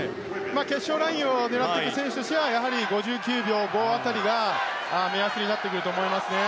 決勝ラインを狙っていく選手は５９秒５辺りが目安になってくると思いますね。